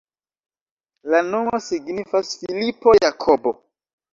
La nomo signifas Filipo-Jakobo.